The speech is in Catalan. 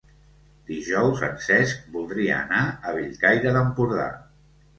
Dijous en Cesc voldria anar a Bellcaire d'Empordà.